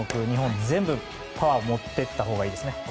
日本は全部パワーを持って行ったほうがいいですね。